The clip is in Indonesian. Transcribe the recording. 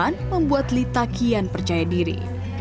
majelis guru yang membuat lita kian percaya diri